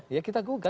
ya kita gugat